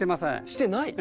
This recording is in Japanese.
してない！？